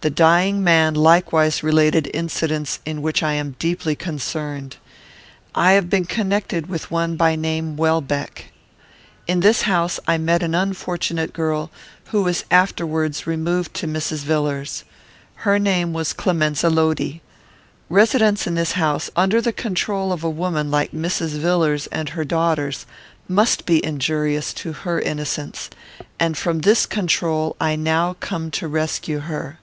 "The dying man likewise related incidents in which I am deeply concerned. I have been connected with one by name Welbeck. In his house I met an unfortunate girl, who was afterwards removed to Mrs. Villars's. Her name was Clemenza Lodi. Residence in this house, under the control of a woman like Mrs. Villars and her daughters, must be injurious to her innocence, and from this control I now come to rescue her."